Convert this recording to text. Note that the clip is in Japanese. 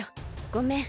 ごめん。